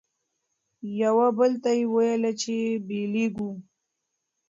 یوه بل ته یې ویله چي بیلیږو